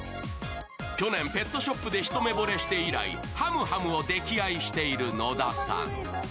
去年、ペットショップでひと目ぼれして以来、はむはむを溺愛している野田さん。